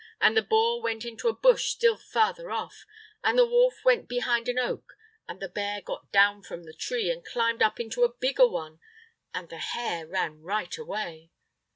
And the boar went into a bush still farther off, and the wolf went behind an oak, and the bear got down from the tree, and climbed up into a bigger one, and the hare ran right away.